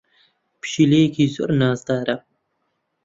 پشیلەکەی زۆر نازدارە.